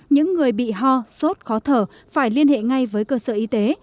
những người bị ho sốt khó thở phải liên hệ ngay với cơ sở y tế